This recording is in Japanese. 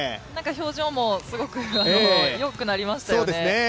表情もすごくよくなりましたよね。